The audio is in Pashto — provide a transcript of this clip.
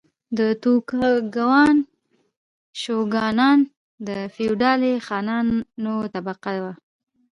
د توکوګاوا شوګانان د فیوډالي خانانو طبقه وه.